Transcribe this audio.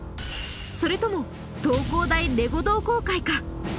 それとも東工大レゴ同好会か？